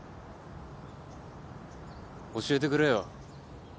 教えてくれよ。